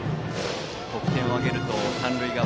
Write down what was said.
得点を挙げると三塁側